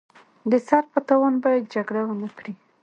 د سر په تاوان باید جګړه ونکړي.